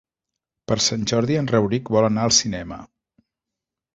Per Sant Jordi en Rauric vol anar al cinema.